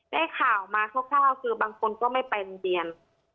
ได้ข่าวมาคร่าวคือบางคนก็ไม่ไปโรงเรียน